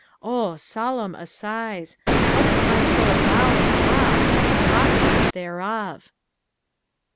Oh, solemn assize, how does mj soul bow in awe at the prospect thereof